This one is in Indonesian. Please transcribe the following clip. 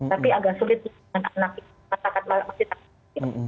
tapi agak sulit dengan anak itu